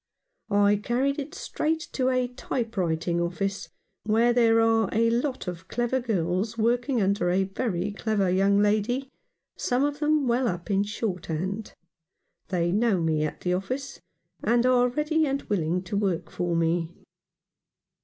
I carried it straight to a type writing office, where there are a lot of clever girls working under a very clever young lady, some of them well up in shorthand. They know me at the office, and are ready and willing to work for me.